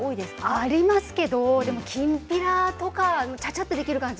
ありますけれどきんぴらとかちゃちゃっとできる感じ。